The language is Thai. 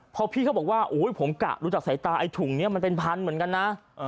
พอพี่เขาบอกว่าผมกะรู้จักสายตาไอ้ถุงนี้มันเป็นพันเหมือนกันนะ